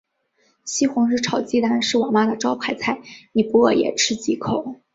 西红柿炒鸡蛋是我妈的招牌菜，你不饿也吃几口。